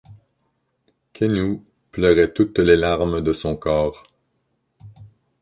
Quenu pleurait toutes les larmes de son corps.